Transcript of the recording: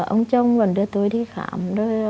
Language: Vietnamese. ông chồng còn đưa tôi đi khám